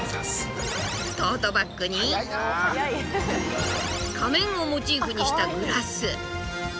トートバッグに仮面をモチーフにしたグラス。